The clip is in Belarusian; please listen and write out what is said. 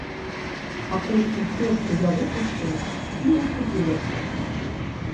Пакуль усё, што я выпусціў, не акупілася.